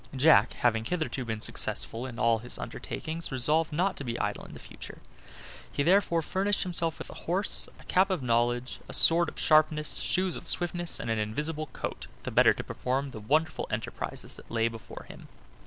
Jack, having hitherto been successful in all his undertakings, resolved not to be idle in future; he therefore furnished himself with a horse, a cap of knowledge, a sword of sharpness, shoes of swiftness, and an invisible coat, the better to perform the wonderful enterprises that lay before him.